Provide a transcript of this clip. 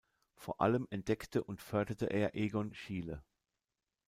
Vor allem entdeckte und förderte er Egon Schiele.